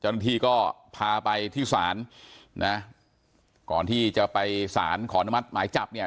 เจ้าหน้าที่ก็พาไปที่ศาลนะก่อนที่จะไปสารขออนุมัติหมายจับเนี่ย